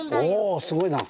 おすごいな。